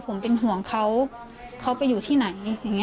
ผมเป็นห่วงเขาเขาไปอยู่ที่ไหน